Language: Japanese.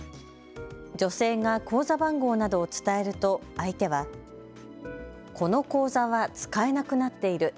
女性が口座番号などを伝えると相手はこの口座は使えなくなっている。